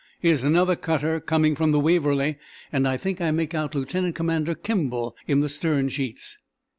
"Here's another cutter coming from the 'Waverly,' and I think I make out Lieutenant Commander Kimball in the stern sheets."